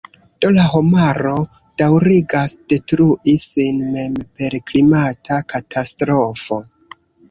Do la homaro daŭrigas detrui sin mem per klimata katastrofo.